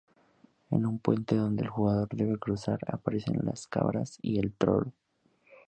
En un puente donde el jugador debe cruzar, aparecen las cabras y el Troll.